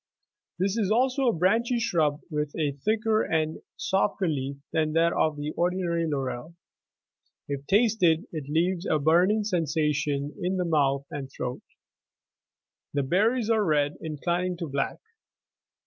79 This is also a branchy shrub, with a thicker and softer leaf than that of the ordinary laurel : if tasted, it leaves a burning sensation in the mouth and throat : the berries are red, inclining to black.